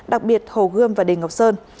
đặc biệt hồ gươm và đền ngọc sơn